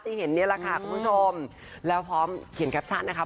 เห็นเนี่ยแหละค่ะคุณผู้ชมแล้วพร้อมเขียนแคปชั่นนะคะ